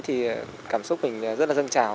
thì cảm xúc mình rất là dâng trào